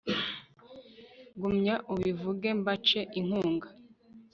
gumya ubivuge mbace inkunga